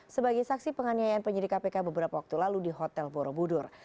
sebagai saksi penganiayaan penyidik kpk beberapa waktu lalu di hotel borobudur